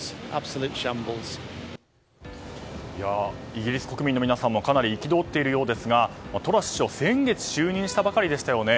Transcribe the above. イギリス国民の皆さんもかなり憤っているようですがトラス政権は先月就任したばかりでしたよね。